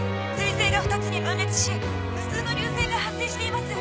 彗星が２つに分裂し無数の流星が発生しています！